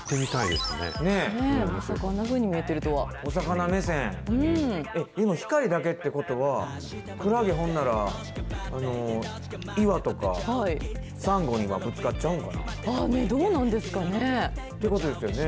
でも光だけってことは、クラゲ、ほんなら、岩とかサンゴにはぶつかっちゃうんかな？ということですよね？